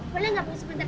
bu boleh gak bu sebentar